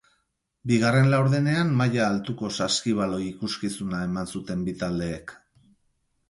Bigarren laurdenean maila altuko saskibaloi ikuskizuna eman zuten bi taldeek.